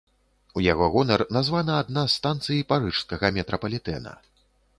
У яго гонар названа адна з станцый парыжскага метрапалітэна.